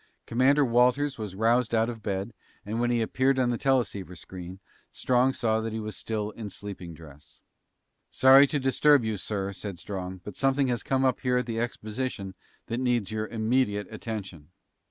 Commander Walters was roused out of bed, and when he appeared on the teleceiver screen, Strong saw he was still in sleeping dress. "Sorry to disturb you, sir," said Strong, "but something has come up here at the exposition that needs your immediate attention."